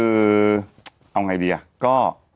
เอายังไงดีอ่ะก็